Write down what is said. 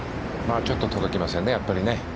ちょっと届きませんね。